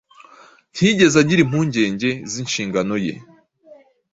ntiyigeze agira impungenge z’inshingano ye.